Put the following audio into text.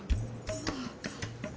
ああ。